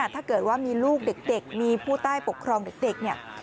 ถ้าเกิดว่ามีลูกเด็กมีผู้ใต้ปกครองเด็กเนี่ย